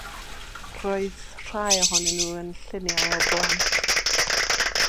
Roedd rhai ohonyn nhw yn lluniau o blant.